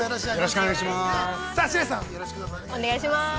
白石さんよろしくお願いします。